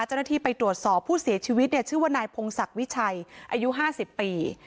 เจ้าหน้าที่ไปตรวจสอบผู้เสียชีวิตเนี่ยชื่อว่านายพงศักดิ์วิชัยอายุ๕๐ปี